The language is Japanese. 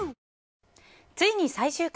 ついに最終回。